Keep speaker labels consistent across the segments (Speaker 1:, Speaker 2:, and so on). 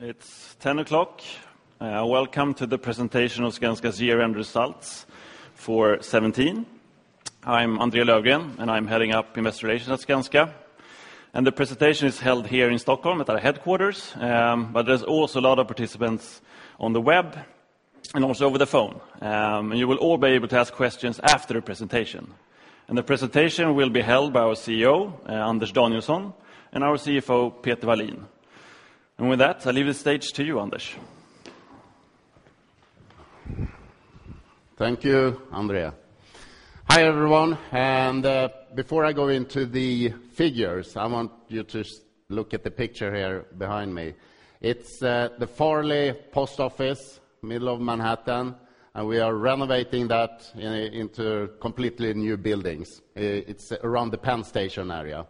Speaker 1: It's 10 o'clock. Welcome to the presentation of Skanska's year-end results for 2017. I'm André Löfgren, and I'm heading up investor relations at Skanska. The presentation is held here in Stockholm at our headquarters, but there's also a lot of participants on the web, and also over the phone. You will all be able to ask questions after the presentation. The presentation will be held by our CEO, Anders Danielsson, and our CFO, Peter Wallin. And with that, I leave the stage to you, Anders.
Speaker 2: Thank you, André. Hi, everyone, and before I go into the figures, I want you to look at the picture here behind me. It's the Farley Post Office, middle of Manhattan, and we are renovating that into completely new buildings. It's around the Penn Station area.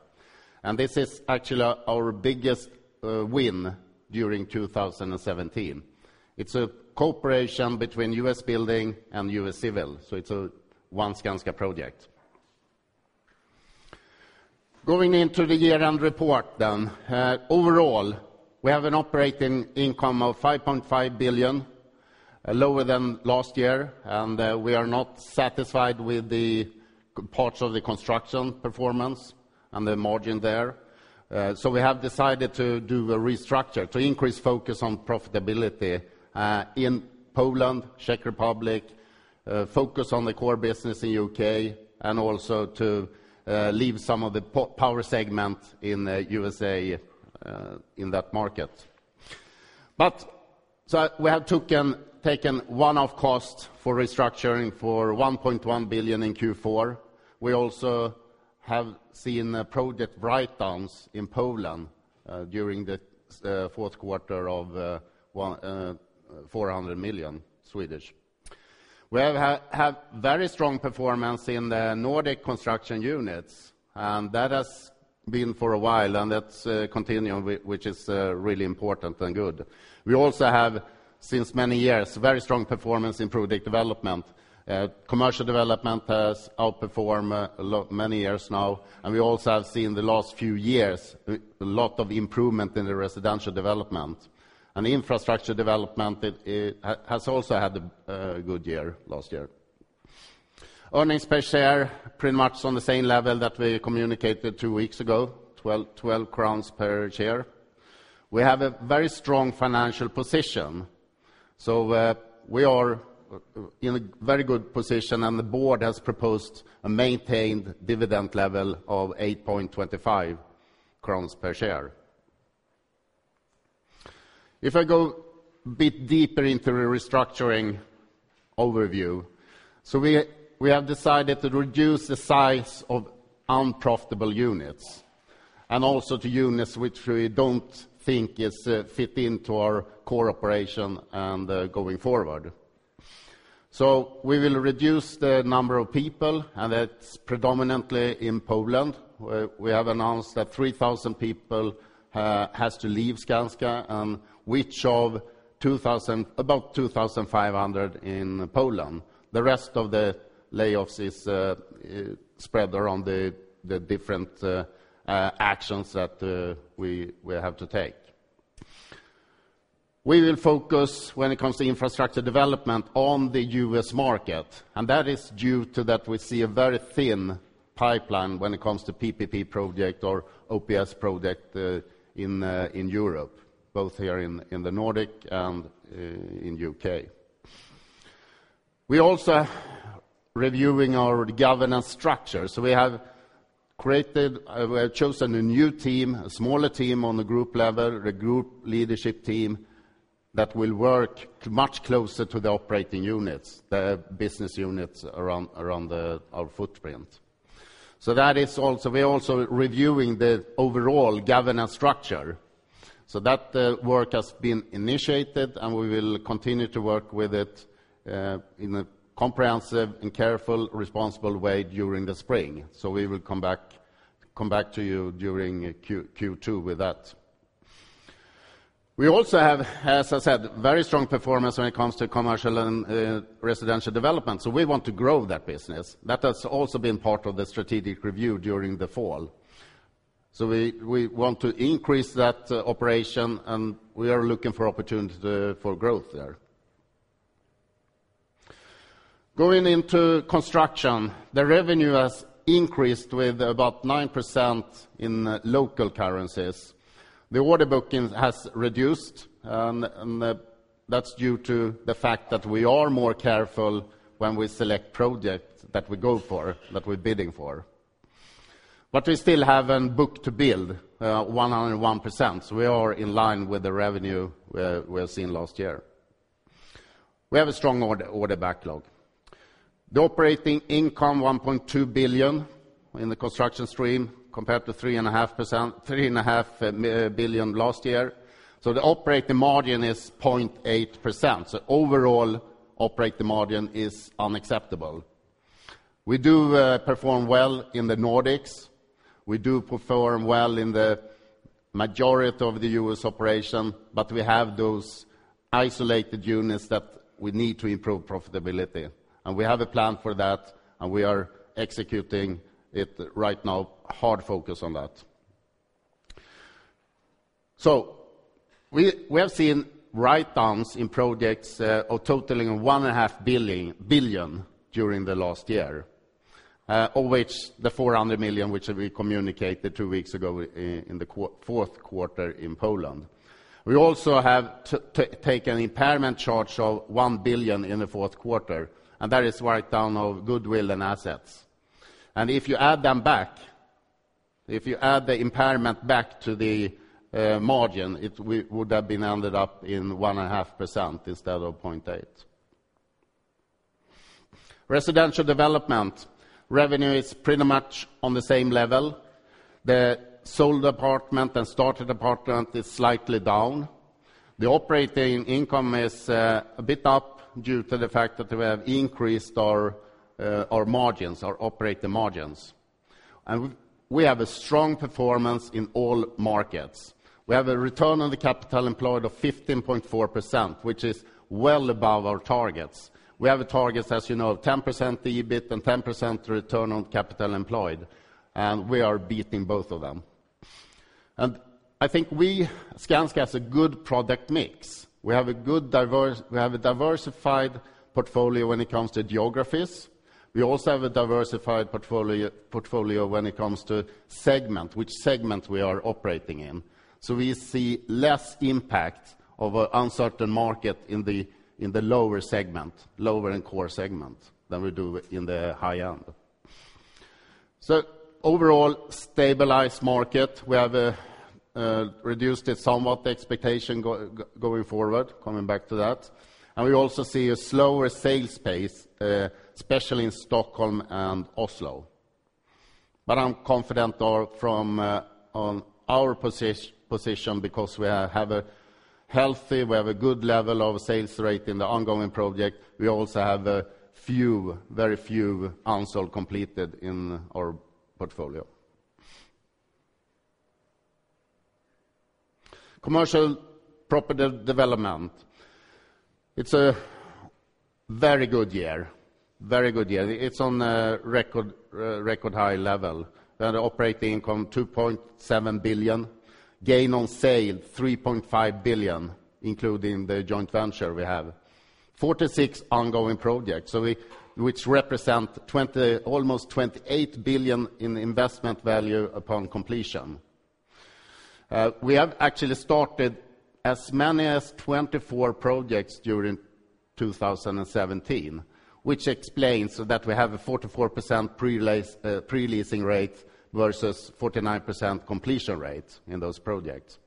Speaker 2: And this is actually our biggest win during 2017. It's a cooperation between U.S. Building and U.S. Civil, so it's a one Skanska project. Going into the year-end report, then, overall, we have an operating income of 5.5 billion, lower than last year, and we are not satisfied with the parts of the construction performance and the margin there. So we have decided to do a restructure to increase focus on profitability in Poland, Czech Republic, focus on the core business in U.K., and also to leave some of the power segment in U.S.A., in that market. We have taken one-off costs for restructuring for 1.1 billion in Q4. We also have seen project write-downs in Poland during the fourth quarter of 1,400 million. We have had very strong performance in the Nordic construction units, and that has been for a while, and that's continuing, which is really important and good. We also have, since many years, very strong performance in project development. Commercial development has outperformed many years now, and we also have seen the last few years, a lot of improvement in the residential development. And infrastructure development, it has also had a good year last year. Earnings per share, pretty much on the same level that we communicated two weeks ago, 12 crowns per share. We have a very strong financial position, so we are in a very good position, and the board has proposed a maintained dividend level of 8.25 crowns per share. If I go a bit deeper into the restructuring overview, so we have decided to reduce the size of unprofitable units, and also to units which we don't think is fit into our core operation, going forward. So we will reduce the number of people, and that's predominantly in Poland, where we have announced that 3,000 people has to leave Skanska, which of 2,000, about 2,500 in Poland. The rest of the layoffs is spread around the different actions that we have to take. We will focus, when it comes to infrastructure development, on the U.S. market, and that is due to that we see a very thin pipeline when it comes to PPP project or OPS project in Europe, both here in the Nordic and in U.K. We're also reviewing our governance structure. So we have created, we have chosen a new team, a smaller team on the group level, a Group Leadership Team, that will work much closer to the operating units, the business units around our footprint. So that is also... We're also reviewing the overall governance structure. So that work has been initiated, and we will continue to work with it in a comprehensive, and careful, responsible way during the spring. So we will come back to you during Q2 with that. We also have, as I said, very strong performance when it comes to commercial and residential development, so we want to grow that business. That has also been part of the strategic review during the fall. So we want to increase that operation, and we are looking for opportunity for growth there. Going into construction, the revenue has increased with about 9% in local currencies. The order bookings has reduced, and that's due to the fact that we are more careful when we select projects that we go for, that we're bidding for. But we still have a book-to-build 101%, so we are in line with the revenue we have seen last year. We have a strong order backlog. The operating income 1.2 billion in the construction stream, compared to 3.5 billion last year. So the operating margin is 0.8%, so overall operating margin is unacceptable. We do perform well in the Nordics. We do perform well in the majority of the U.S. operation, but we have those isolated units that we need to improve profitability. We have a plan for that, and we are executing it right now, hard focus on that. So we have seen write-downs in projects of totaling 1.5 billion during the last year, of which the 400 million which we communicated two weeks ago in the fourth quarter in Poland. We also have taken an impairment charge of 1 billion in the fourth quarter, and that is write-down of goodwill and assets. And if you add them back, if you add the impairment back to the margin, it would have ended up in 1.5% instead of 0.8%. Residential development. Revenue is pretty much on the same level. The sold apartment and started apartment is slightly down. The operating income is a bit up due to the fact that we have increased our our margins, our operating margins. We have a strong performance in all markets. We have a return on capital employed of 15.4%, which is well above our targets. We have a target, as you know, of 10% EBIT and 10% return on capital employed, and we are beating both of them. I think we, Skanska, has a good product mix. We have a good diversified portfolio when it comes to geographies. We also have a diversified portfolio when it comes to segment, which segment we are operating in. So we see less impact of an uncertain market in the in the lower segment, lower end core segment, than we do in the high end. So overall, stabilized market. We have reduced it somewhat, the expectation going forward, coming back to that. And we also see a slower sales pace, especially in Stockholm and Oslo. But I'm confident on our position, because we have a healthy, we have a good level of sales rate in the ongoing project. We also have a few, very few, unsold completed in our portfolio. Commercial property development. It's a very good year, very good year. It's on a record high level. We had an operating income 2.7 billion, gain on sale 3.5 billion, including the joint venture we have. 46 ongoing projects, so which represent 20 billion, almost 28 billion in investment value upon completion. We have actually started as many as 24 projects during 2017, which explains that we have a 44% pre-lease, pre-leasing rate versus 49% completion rate in those projects.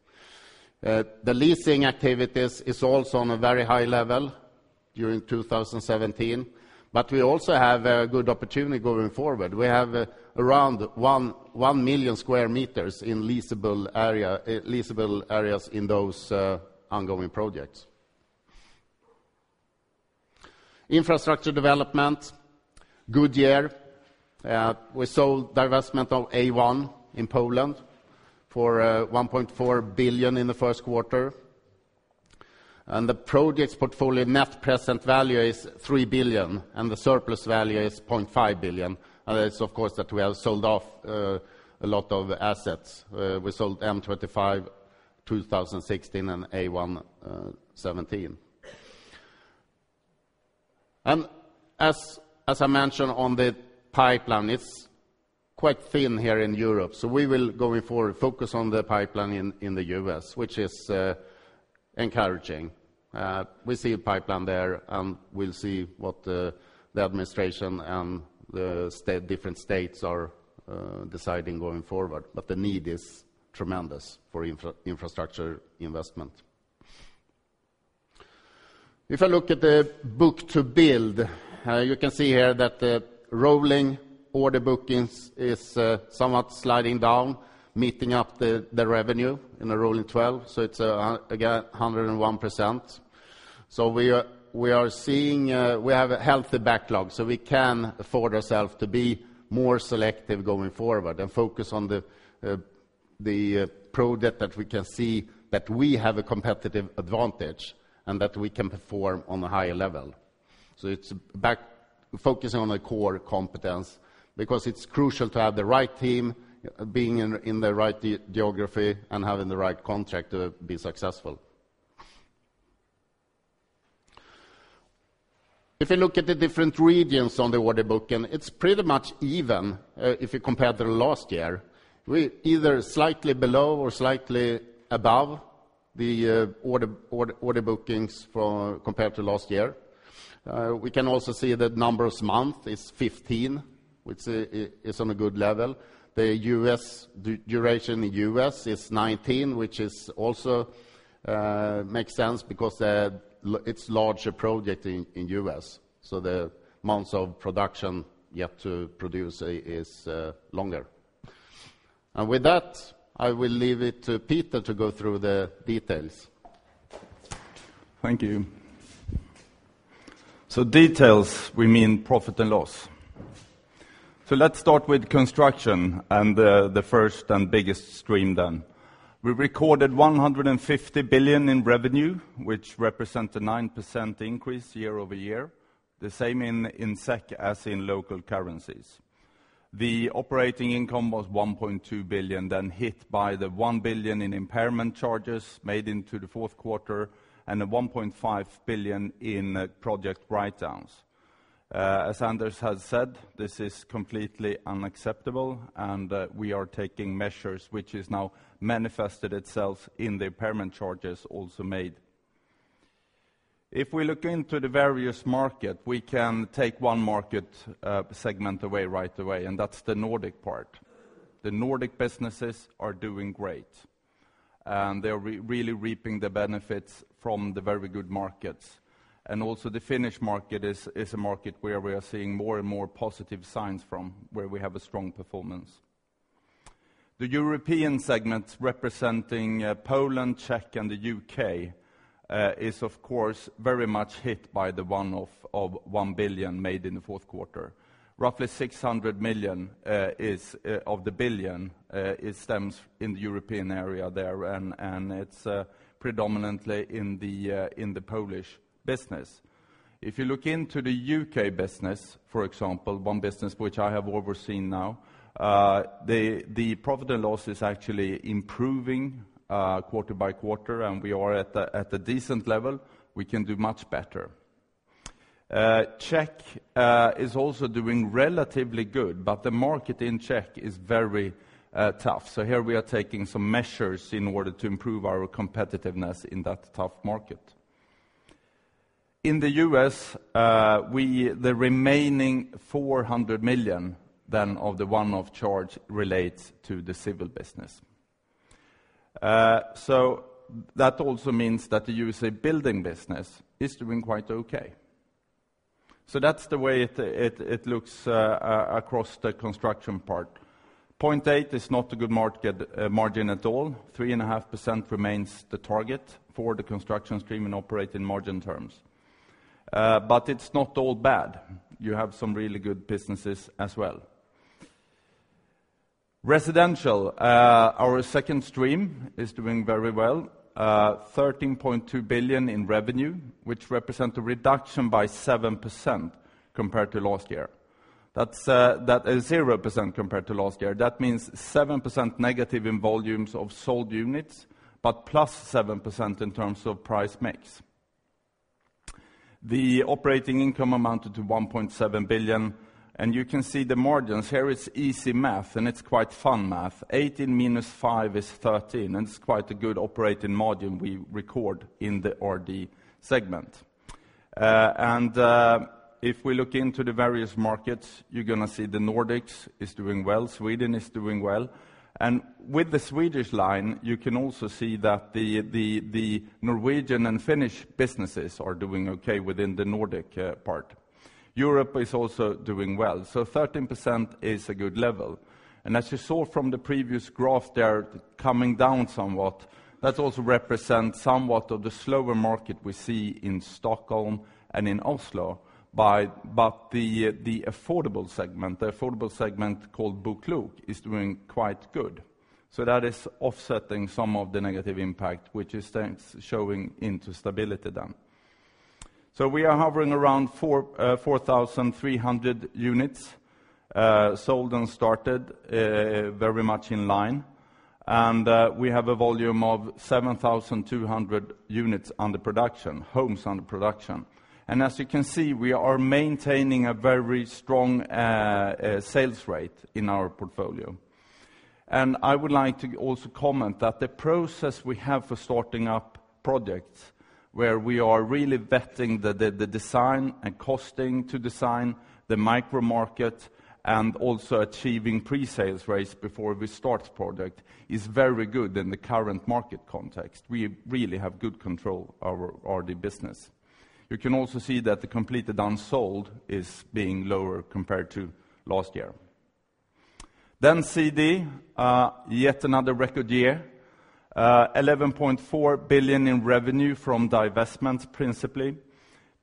Speaker 2: The leasing activities is also on a very high level during 2017, but we also have a good opportunity going forward. We have around 1 million sq m in leasable area, leasable areas in those ongoing projects. Infrastructure development, good year. We sold divestment of A1 in Poland for 1.4 billion in the first quarter. The project's portfolio net present value is 3 billion, and the surplus value is 0.5 billion. That's, of course, that we have sold off a lot of assets. We sold M25 2016 and A1 2017. As I mentioned on the pipeline, it's quite thin here in Europe, so we will, going forward, focus on the pipeline in the U.S., which is encouraging. We see a pipeline there, and we'll see what the administration and the state, different states are deciding going forward. But the need is tremendous for infrastructure investment. If I look at the book-to-build, you can see here that the rolling order bookings is somewhat sliding down, meeting up the revenue in the rolling twelve, so it's again 101%. So we are, we are seeing... We have a healthy backlog, so we can afford ourselves to be more selective going forward and focus on the project that we can see that we have a competitive advantage and that we can perform on a higher level. So it's back focusing on the core competence, because it's crucial to have the right team, being in the right geography, and having the right contract to be successful. If you look at the different regions on the order booking, it's pretty much even if you compare to last year. We either slightly below or slightly above the order bookings for compared to last year. We can also see the numbers month is 15, which is on a good level. The U.S., duration in the U.S. is 19, which is also makes sense because it's larger project in U.S., so the months of production yet to produce is longer. And with that, I will leave it to Peter to go through the details.
Speaker 3: Thank you. So details, we mean profit and loss. So let's start with construction, and the first and biggest stream then. We recorded 150 billion in revenue, which represent a 9% increase year-over-year, the same in SEK as in local currencies. The operating income was 1.2 billion, then hit by the 1 billion in impairment charges made into the fourth quarter, and a 1.5 billion in project write-downs. As Anders has said, this is completely unacceptable, and we are taking measures which is now manifested itself in the impairment charges also made. If we look into the various market, we can take one market segment away right away, and that's the Nordic part. The Nordic businesses are doing great, and they're really reaping the benefits from the very good markets. The Finnish market is a market where we are seeing more and more positive signs from, where we have a strong performance. The European segment, representing Poland, Czech, and the U.K., is of course very much hit by the one-off of 1 billion made in the fourth quarter. Roughly 600 million is of the billion; it stems in the European area there, and it's predominantly in the Polish business. If you look into the U.K. business, for example, one business which I have overseen now, the profit and loss is actually improving quarter by quarter, and we are at a decent level. We can do much better. Czech is also doing relatively good, but the market in Czech is very tough. So here we are taking some measures in order to improve our competitiveness in that tough market. In the U.S., the remaining 400 million, then, of the one-off charge relates to the civil business. So that also means that the U.S.A. building business is doing quite okay. So that's the way it looks across the construction part. 0.8% is not a good market margin at all. 3.5% remains the target for the construction stream in operating margin terms. But it's not all bad. You have some really good businesses as well. Residential, our second stream, is doing very well. 13.2 billion in revenue, which represent a reduction by 7% compared to last year. That's, that is 0% compared to last year. That means 7% negative in volumes of sold units, but +7% in terms of price mix. The operating income amounted to 1.7 billion, and you can see the margins. Here, it's easy math, and it's quite fun math. 18 minus 5 is 13, and it's quite a good operating margin we record in the RD segment. If we look into the various markets, you're gonna see the Nordics is doing well, Sweden is doing well. And with the Swedish line, you can also see that the, the, the Norwegian and Finnish businesses are doing okay within the Nordic part. Europe is also doing well, so 13% is a good level. And as you saw from the previous graph, they are coming down somewhat. That also represent somewhat of the slower market we see in Stockholm and in Oslo, but the, the affordable segment, the affordable segment called BoKlok, is doing quite good. So that is offsetting some of the negative impact, which is then showing into stability then. So we are hovering around 4,300 units, sold and started, very much in line. And, we have a volume of 7,200 units under production, homes under production. And as you can see, we are maintaining a very strong, sales rate in our portfolio. I would like to also comment that the process we have for starting up projects, where we are really vetting the design and costing to design, the micro market, and also achieving pre-sales rates before we start product, is very good in the current market context. We really have good control over RD business. You can also see that the completed unsold is being lower compared to last year. CD, yet another record year. 11.4 billion in revenue from divestment, principally.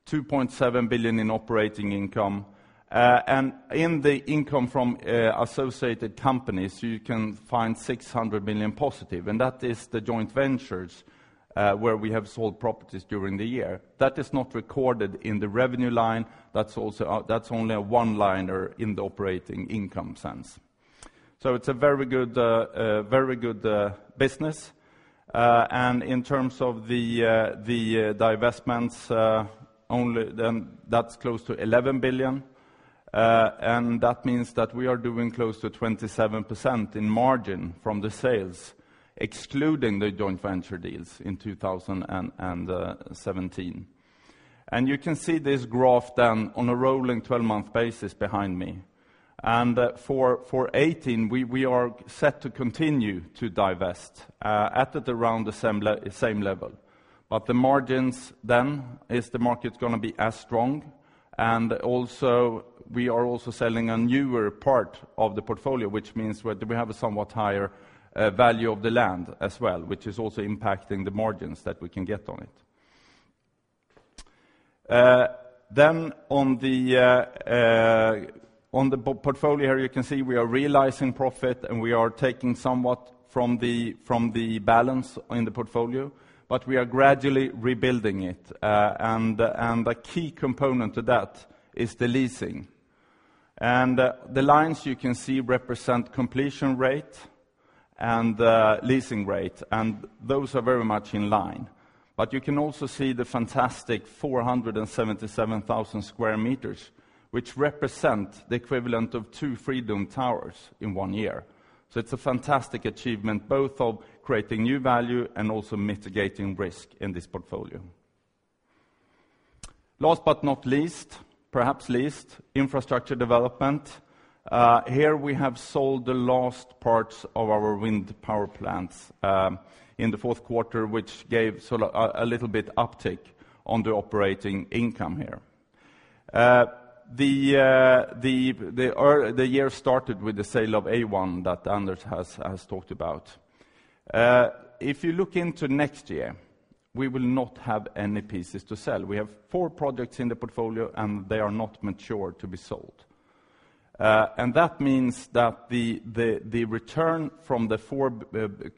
Speaker 3: 2.7 billion in operating income. And in the income from associated companies, you can find 600 million positive, and that is the joint ventures where we have sold properties during the year. That is not recorded in the revenue line. That's also, that's only a one-liner in the operating income sense. So it's a very good business. And in terms of the divestments, only that's close to 11 billion. And that means that we are doing close to 27% in margin from the sales, excluding the joint venture deals in 2017. And you can see this graph down on a rolling 12-month basis behind me. And for 2018, we are set to continue to divest at around the same level. But the margins then, is the market gonna be as strong? And also, we are also selling a newer part of the portfolio, which means we have a somewhat higher value of the land as well, which is also impacting the margins that we can get on it. Then on the portfolio, you can see we are realizing profit, and we are taking somewhat from the balance in the portfolio, but we are gradually rebuilding it. A key component to that is the leasing. The lines you can see represent completion rate and leasing rate, and those are very much in line. But you can also see the fantastic 477,000 sq m, which represent the equivalent of 2 Freedom Towers in one year. So it's a fantastic achievement, both of creating new value and also mitigating risk in this portfolio. Last but not least, perhaps least, infrastructure development. Here we have sold the last parts of our wind power plants in the fourth quarter, which gave sort of a little bit uptick on the operating income here. The year started with the sale of A1 that Anders has talked about. If you look into next year, we will not have any pieces to sell. We have four projects in the portfolio, and they are not mature to be sold. And that means that the return from the four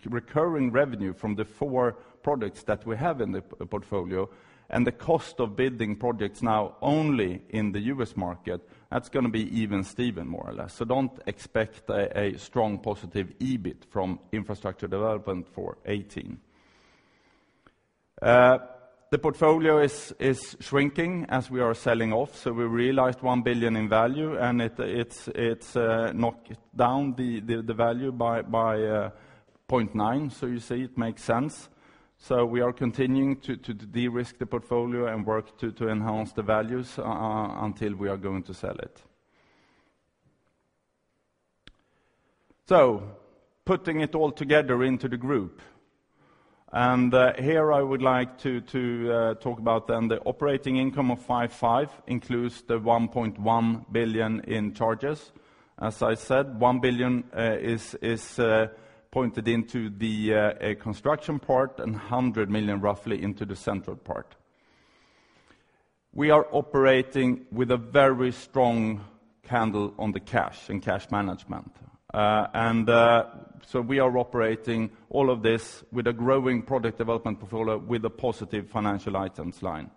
Speaker 3: recurring revenue from the four products that we have in the portfolio and the cost of building projects now only in the U.S. market, that's gonna be even-steven, more or less. So don't expect a strong positive EBIT from infrastructure development for 2018. The portfolio is shrinking as we are selling off, so we realized 1 billion in value, and it's knocked down the value by 0.9, so you see it makes sense. We are continuing to de-risk the portfolio and work to enhance the values until we are going to sell it. So putting it all together into the group, and here I would like to talk about then the operating income of 5.5 billion includes the 1.1 billion in charges. As I said, 1 billion is pointed into the construction part and roughly 100 million into the central part. We are operating with a very strong handle on the cash and cash management. And so we are operating all of this with a growing product development portfolio with a positive financial items line.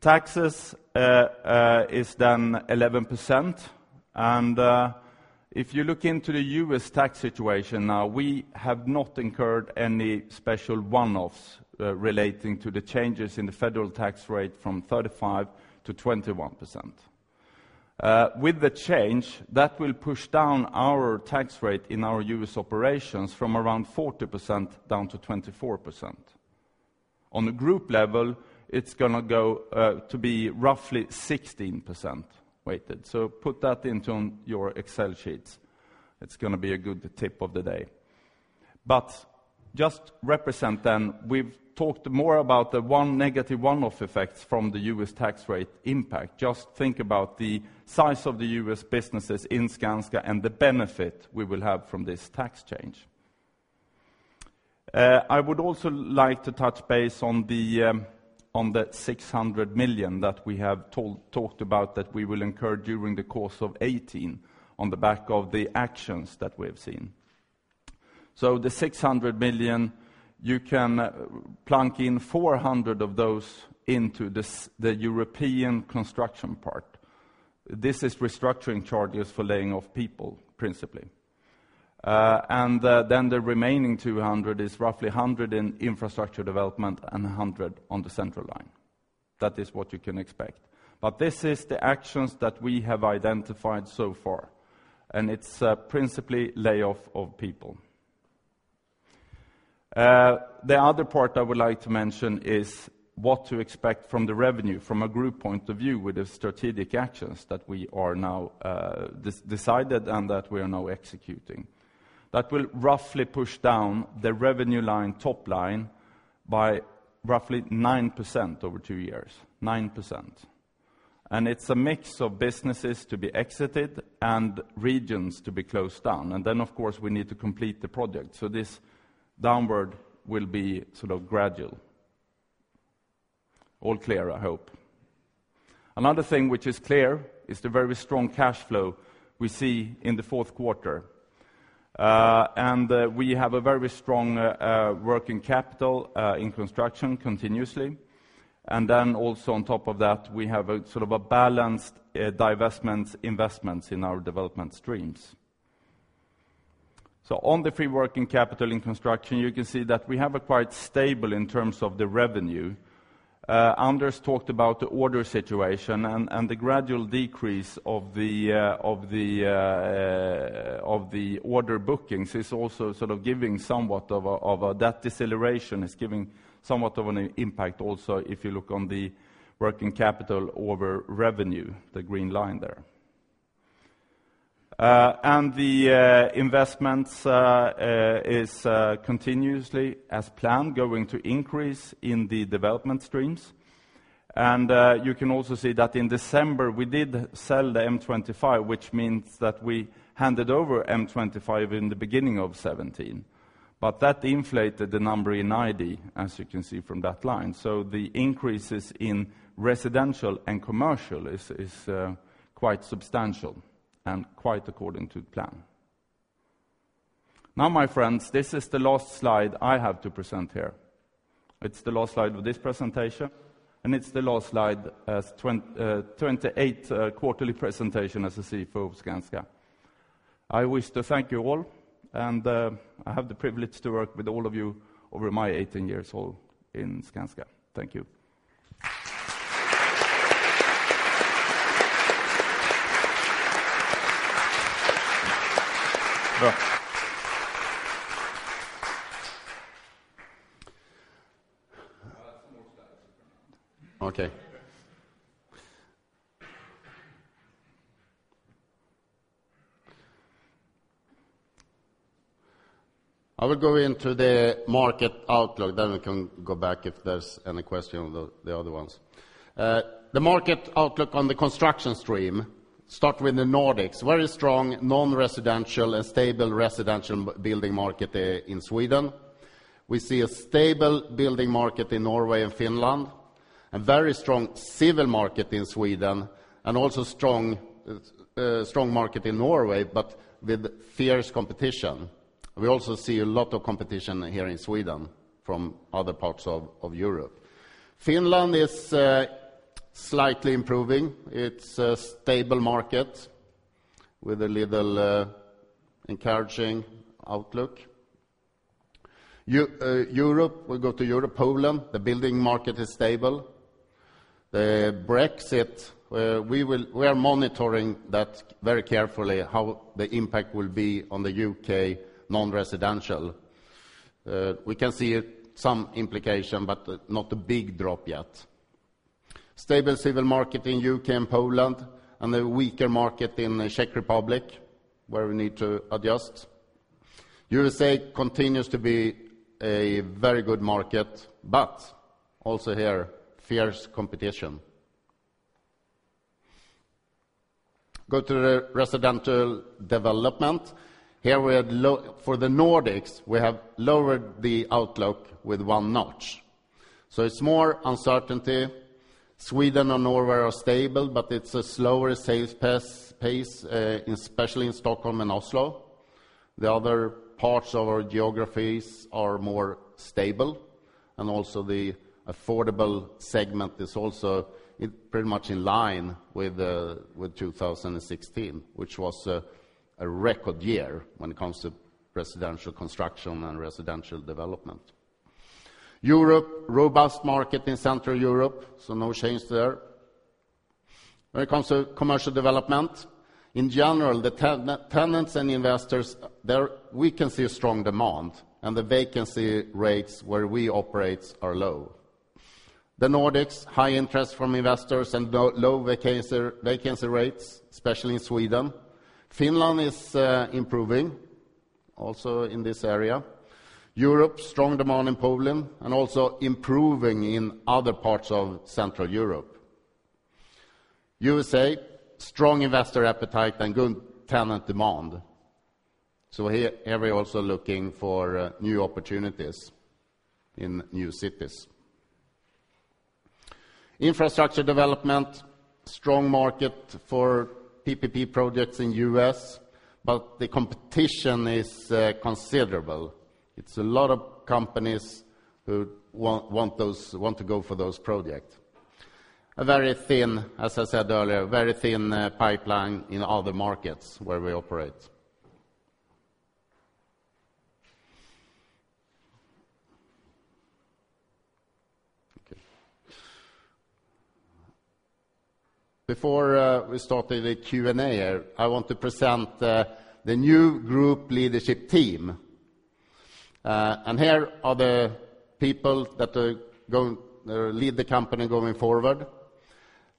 Speaker 3: Taxes is then 11%, and if you look into the U.S. tax situation now, we have not incurred any special one-offs relating to the changes in the federal tax rate from 35% to 21%. With the change, that will push down our tax rate in our U.S. operations from around 40% down to 24%. On a group level, it's gonna go to be roughly 16% weighted. So put that into on your Excel sheets. It's gonna be a good tip of the day. But just represent then, we've talked more about the one negative one-off effects from the U.S. tax rate impact. Just think about the size of the U.S. businesses in Skanska and the benefit we will have from this tax change. I would also like to touch base on the six hundred million that we have told, talked about that we will incur during the course of 2018 on the back of the actions that we have seen. So the 600 million, you can plunk in 400 of those into this, the European construction part. This is restructuring charges for laying off people, principally. Then the remaining 200 is roughly 100 in infrastructure development and 100 on the central line. That is what you can expect. But this is the actions that we have identified so far, and it's principally lay off of people. The other part I would like to mention is what to expect from the revenue, from a group point of view, with the strategic actions that we are now decided and that we are now executing. That will roughly push down the revenue line, top line, by roughly 9% over two years, 9%. And it's a mix of businesses to be exited and regions to be closed down. And then, of course, we need to complete the project, so this downward will be sort of gradual. All clear, I hope. Another thing which is clear is the very strong cash flow we see in the fourth quarter. And we have a very strong working capital in construction continuously. And then also on top of that, we have a sort of a balanced divestment, investments in our development streams. So on the free working capital in construction, you can see that we have a quite stable in terms of the revenue. Anders talked about the order situation and the gradual decrease of the order bookings is also sort of giving somewhat of a... That deceleration is giving somewhat of an impact also, if you look on the working capital over revenue, the green line there. And the investments is continuously, as planned, going to increase in the development streams. And you can also see that in December, we did sell the M25, which means that we handed over M25 in the beginning of 2017. But that inflated the number in ID, as you can see from that line. So the increases in residential and commercial is quite substantial and quite according to plan. Now, my friends, this is the last slide I have to present here. It's the last slide of this presentation, and it's the last slide as 28 quarterly presentation as the CFO of Skanska. I wish to thank you all, and I have the privilege to work with all of you over my 18 years while in Skanska. Thank you.
Speaker 1: Good. Okay. I will go into the market outlook, then we can go back if there's any question on the other ones. The market outlook on the construction stream, start with the Nordics. Very strong non-residential and stable residential building market in Sweden.
Speaker 2: We see a stable building market in Norway and Finland, a very strong civil market in Sweden, and also strong, strong market in Norway, but with fierce competition. We also see a lot of competition here in Sweden from other parts of Europe. Finland is slightly improving. It's a stable market with a little encouraging outlook. Europe, we go to Europe, Poland, the building market is stable. The Brexit, we are monitoring that very carefully, how the impact will be on the U.K. non-residential. We can see it, some implication, but, not a big drop yet. Stable civil market in U.K. and Poland, and a weaker market in the Czech Republic, where we need to adjust. U.S.A. continues to be a very good market, but also here, fierce competition. Go to the residential development. Here, we have lowered the outlook with one notch for the Nordics, so it's more uncertainty. Sweden and Norway are stable, but it's a slower sales pace, especially in Stockholm and Oslo. The other parts of our geographies are more stable, and also the affordable segment is also pretty much in line with 2016, which was a record year when it comes to residential construction and residential development. Europe, robust market in Central Europe, so no change there. When it comes to commercial development, in general, the tenants and investors, there we can see a strong demand, and the vacancy rates where we operate are low. The Nordics, high interest from investors and low vacancy rates, especially in Sweden. Finland is improving also in this area. Europe, strong demand in Poland and also improving in other parts of Central Europe. U.S.A., strong investor appetite and good tenant demand. Here, we're also looking for new opportunities in new cities. Infrastructure development, strong market for PPP projects in the U.S., but the competition is considerable. It's a lot of companies who want those—want to go for those projects. A very thin, as I said earlier, very thin pipeline in other markets where we operate. Okay. Before we start the Q&A here, I want to present the new Group Leadership Team. Here are the people that are going to lead the company going forward.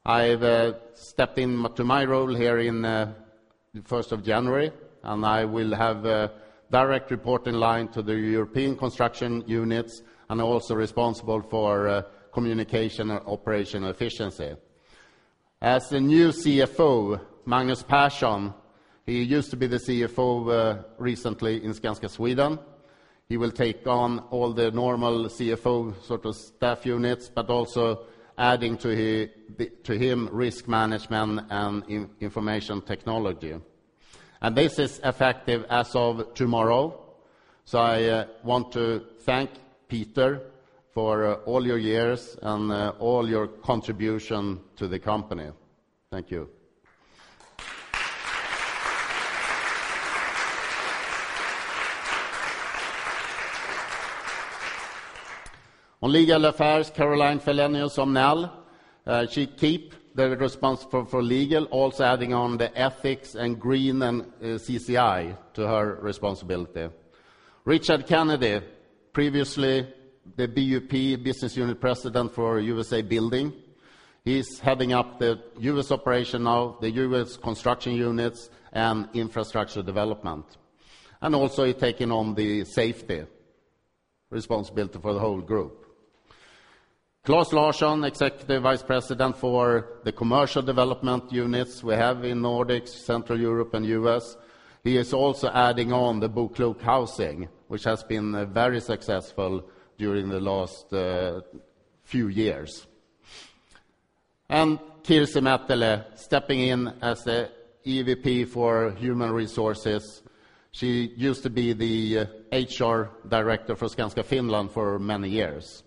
Speaker 2: I've stepped into my role here in the first of January, and I will have a direct reporting line to the European construction units, and also be responsible for communication and operational efficiency. As the new CFO, Magnus Persson, he used to be the CFO recently in Skanska Sweden. He will take on all the normal CFO sort of staff units, but also adding to him risk management and information technology. This is effective as of tomorrow, so I want to thank Peter for all your years and all your contribution to the company. Thank you. On legal affairs, Caroline Fellenius Omnell. She keeps responsibility for legal, also adding on the ethics and green and CCI to her responsibility. Richard Kennedy, previously the BUP, Business Unit President for U.S.A. Building. He's heading up the U.S. operation now, the U.S. construction units and infrastructure development, and also he's taking on the safety responsibility for the whole group. Claes Larsson, Executive Vice President for the Commercial Development Units we have in Nordics, Central Europe, and U.S. He is also adding on the BoKlok Housing, which has been very successful during the last few years. And Therese Tegner, stepping in as a EVP for human resources. She used to be the HR Director for Skanska Finland for many years.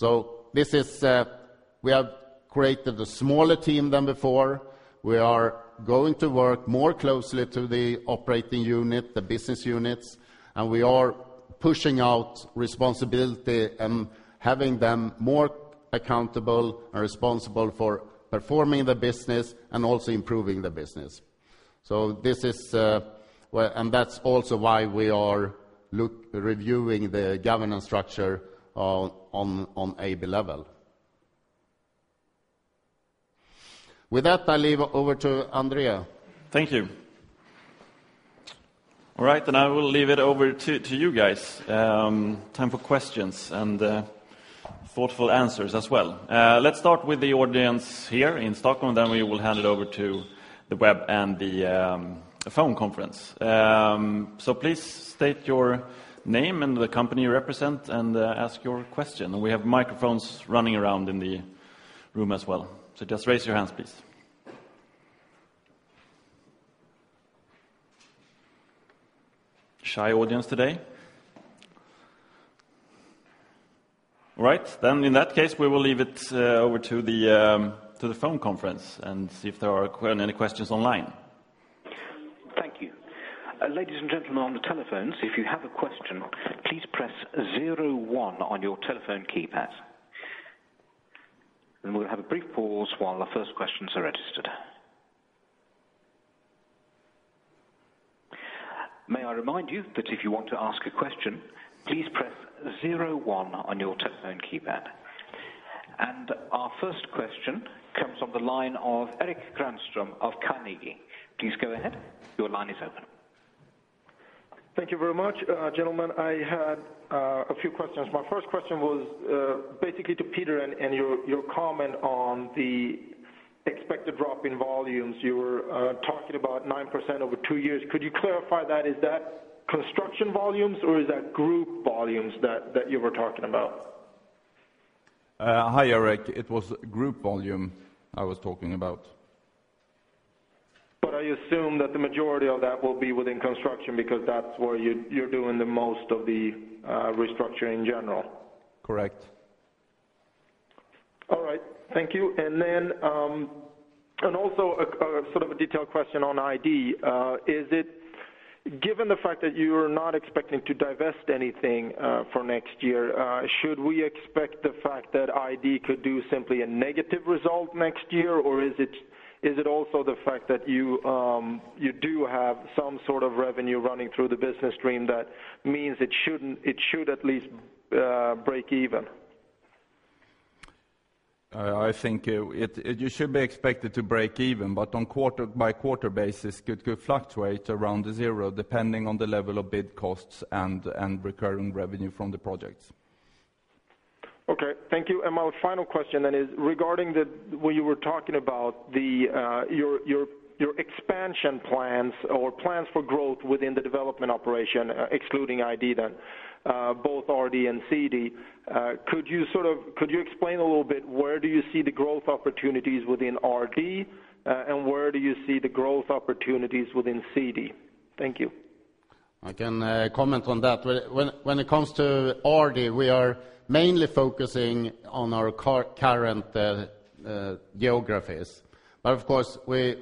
Speaker 2: So this is, we have created a smaller team than before. We are going to work more closely to the operating unit, the business units, and we are pushing out responsibility and having them more accountable and responsible for performing the business and also improving the business. So this is, well, and that's also why we are reviewing the governance structure on AB level. With that, I leave over to André.
Speaker 1: Thank you. All right, and I will leave it over to you guys. Time for questions and thoughtful answers as well. Let's start with the audience here in Stockholm, then we will hand it over to the web and the phone conference. So please state your name and the company you represent, and ask your question. We have microphones running around in the room as well, so just raise your hands, please. Shy audience today? All right, then, in that case, we will leave it over to the phone conference and see if there are any questions online.
Speaker 4: Thank you. Ladies and gentlemen, on the telephones, if you have a question, please press zero one on your telephone keypad. And we'll have a brief pause while our first questions are registered. May I remind you that if you want to ask a question, please press zero one on your telephone keypad. And our first question comes on the line of Erik Granström of Carnegie. Please go ahead. Your line is open.
Speaker 5: Thank you very much, gentlemen. I had a few questions. My first question was basically to Peter, and your comment on the expected drop in volumes. You were talking about 9% over two years. Could you clarify that? Is that construction volumes, or is that group volumes that you were talking about?
Speaker 3: Hi, Eric. It was group volume I was talking about.
Speaker 5: But I assume that the majority of that will be within construction, because that's where you're doing the most of the restructuring in general.
Speaker 3: Correct.
Speaker 5: All right. Thank you. And then, and also sort of a detailed question on ID. Is it... Given the fact that you're not expecting to divest anything for next year, should we expect the fact that ID could do simply a negative result next year? Or is it, is it also the fact that you, you do have some sort of revenue running through the business stream that means it shouldn't, it should at least break even?
Speaker 3: I think you should be expected to break even, but on quarter-by-quarter basis, could fluctuate around the zero, depending on the level of bid costs and recurring revenue from the projects.
Speaker 5: Okay, thank you. And my final question then is regarding what you were talking about, the your expansion plans or plans for growth within the development operation, excluding ID then, both RD and CD. Could you explain a little bit, where do you see the growth opportunities within RD, and where do you see the growth opportunities within CD? Thank you.
Speaker 2: I can comment on that. When it comes to RD, we are mainly focusing on our current geographies. But, of course, we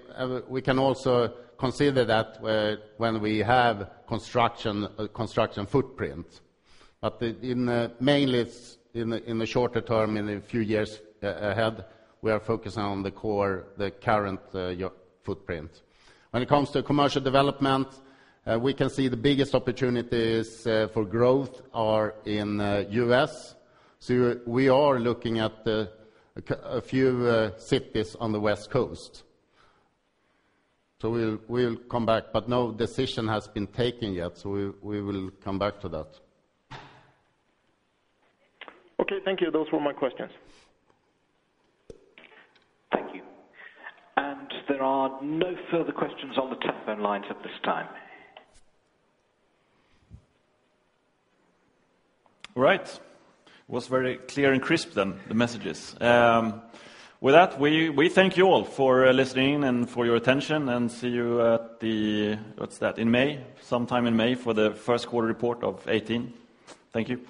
Speaker 2: can also consider that when we have a construction footprint. But mainly it's in the shorter term, in a few years ahead, we are focusing on the core, the current footprint. When it comes to commercial development, we can see the biggest opportunities for growth are in the U.S. So we are looking at a few cities on the West Coast. So we'll come back, but no decision has been taken yet, so we will come back to that.
Speaker 5: Okay, thank you. Those were my questions.
Speaker 4: Thank you. There are no further questions on the telephone lines at this time.
Speaker 1: All right. Was very clear and crisp then, the messages. With that, we thank you all for listening and for your attention, and see you at the, what's that, in May, sometime in May for the first quarter report of 2018. Thank you.